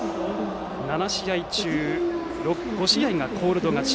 ７試合中５試合がコールド勝ち